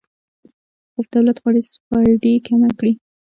خو دولت غواړي سبسایډي کمه کړي.